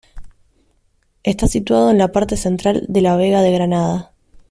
Está situado en la parte central de la Vega de Granada.